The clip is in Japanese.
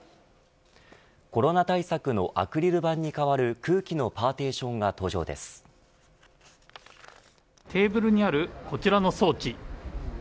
コロナ対策のアクリル板に代わる空気のパーティションがテーブルにあるこちらの装置。